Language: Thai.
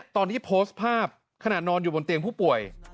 ตอนที่โพสอยู่บนเถียงผู้ป่วย